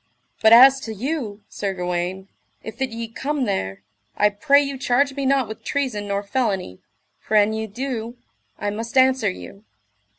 But as to you, Sir Gawaine, if that ye come there, I pray you charge me not with treason nor felony, for an ye do, I must answer you.